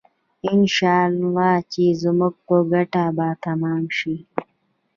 انشاالله چې زموږ په ګټه به تمام شي.